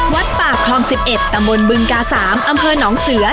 วัดปากคลองสิบเอ็ดตะมนต์บึงกาสามอำเภอหนองเสือ